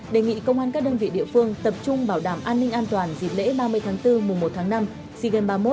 đề nghị công an các đơn vị địa phương tập trung bảo đảm an ninh an toàn dịp lễ ba mươi tháng bốn mùa một tháng năm sea games ba mươi một